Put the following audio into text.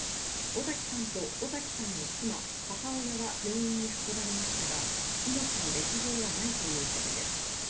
尾碕さんと尾碕さんの妻、母親は病院に運ばれましたが命に別条はないということです。